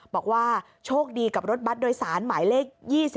บอกว่าโชคดีกับรถบัตรโดยสารหมายเลข๒๔